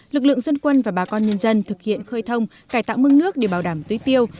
lực lượng dân quân và bà con nhân dân thực hiện khơi thông cải tạo mương nước để bảo đảm tưới tiêu